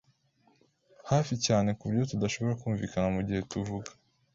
Hafi cyane kuburyo tudashobora kumvikana mugihe tuvuga